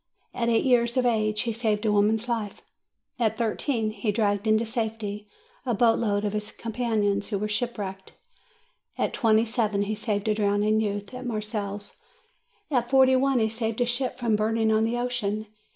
At eight years of age, he saved a woman's life; at thirteen, he dragged into safety a boat load of his companions who were shipwrecked; at twenty seven, he saved a drowning youth, at Marseilles; at forty one, he saved a ship from burning on the ocean.